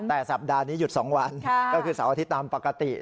แต่สัปดาห์นี้หยุด๒วันก็คือเสาร์อาทิตย์ตามปกติ